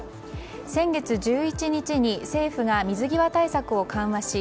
先月１１日に政府が水際対策を緩和し